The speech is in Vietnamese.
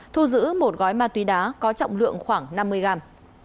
thu giữ một gói ma túy đá có trọng lượng khoảng năm mươi gram